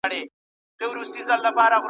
برس وچه بڼه لري او رطوبت یې میکروبونه ساتي.